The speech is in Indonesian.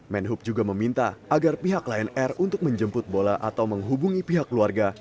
menhub juga meminta agar pihak lion air untuk menjemput bola atau menghubungi pihak keluarga